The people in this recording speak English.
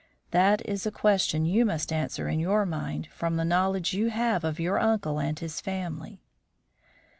That is a question you must answer in your mind from the knowledge you have of your uncle and his family."